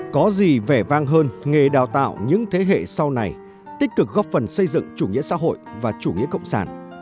có gì vẻ vang hơn nghề đào tạo những thế hệ sau này tích cực góp phần xây dựng chủ nghĩa xã hội và chủ nghĩa cộng sản